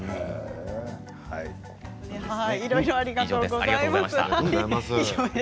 いろいろありがとうございます。